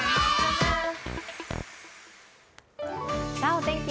お天気